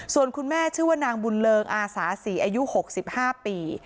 ส่วนคุณแม่ชื่อว่านางบุญเริงอาสาศรีอายุ๖๕ปี